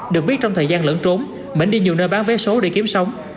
được biết trong thời gian lẫn trốn mỹ đi nhiều nơi bán vé số để kiếm sống